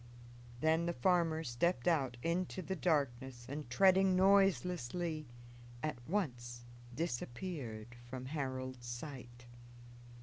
Then the farmer stepped out into the darkness and, treading noiselessly, at once disappeared from Harold's sight.